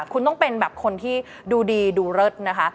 คุณต้องเป็นแบบคนที่ดูดีดูเลิศนะคะ